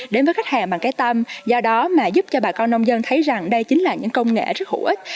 đến với khách hàng bằng cái tâm do đó mà giúp cho bà con nông dân thấy rằng đây chính là những công nghệ rất hữu ích